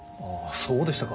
そうでしたか。